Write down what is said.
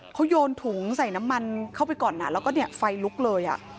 เขาโยนถุงใส่น้ำมันเข้าไปก่อนแล้วก็ไฟลุกเลย